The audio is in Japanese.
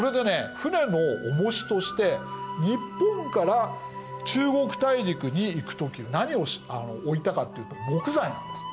船の重しとして日本から中国大陸に行く時何を置いたかっていうと木材なんです。